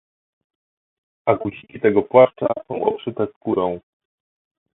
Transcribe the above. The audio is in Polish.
A guziki tego płaszcza są obszyte skórą.